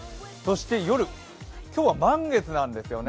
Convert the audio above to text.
夜、今日は満月なんですよね。